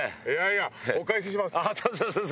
お返しします。